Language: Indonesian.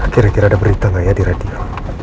kira kira ada berita nggak ya di radio